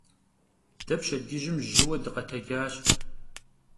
De pşedcıjım jıue dıkhetecaş.